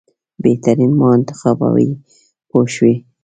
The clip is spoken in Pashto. بهترین ما انتخابوي پوه شوې!.